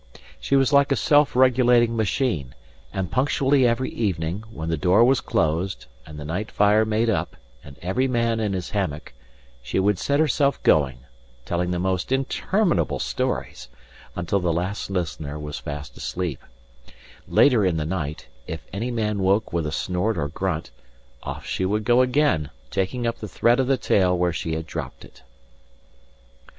She was like a self regulating machine, and punctually every evening, when the door was closed, and the night fire made up, and every man in his hammock, she would set herself going, telling the most interminable stories, until the last listener was fast asleep; later in the night, if any man woke with a snort or grunt, off she would go again, taking up the thread of the tale where she had dropped it.